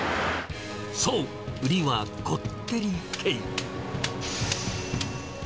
そう、売りはこってり系。